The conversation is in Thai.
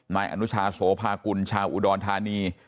นายอนุชาโสภากุลชาวอุดรธานี